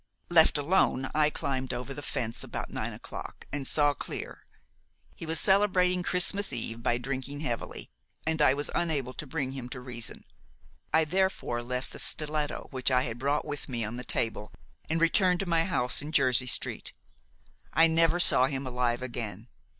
"Left alone, I climbed over the fence about nine o'clock, and saw Clear. He was celebrating Christmas Eve by drinking heavily, and I was unable to bring him to reason. I therefore left the stiletto which I had brought with me on the table, and returned to my house in Jersey Street. I never saw him alive again.